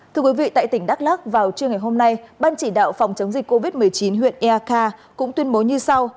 thưa quý vị tại tỉnh đắk lắc vào trưa ngày hôm nay ban chỉ đạo phòng chống dịch covid một mươi chín huyện eakha cũng tuyên bố như sau